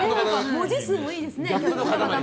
文字数もいいですね